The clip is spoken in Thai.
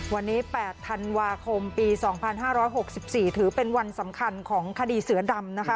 วันนี้๘ธันวาคมปี๒๕๖๔ถือเป็นวันสำคัญของคดีเสือดำนะคะ